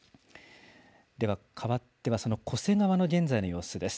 ではかわっては、巨瀬川の現在の様子です。